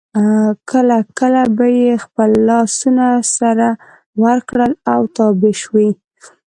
کله کله به یې خپل لاسونه سره ورکړل او تاو به شوې.